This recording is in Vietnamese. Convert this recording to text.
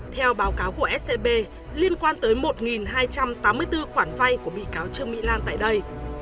theo báo cáo của scb liên quan tới một hai trăm tám mươi bốn khoản vay của bị cáo trương mỹ lan tại đây